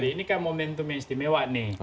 ini kan momentum yang istimewa nih